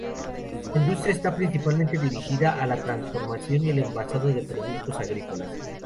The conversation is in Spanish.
La industria está principalmente dirigida a la transformación y el envasado de productos agrícolas.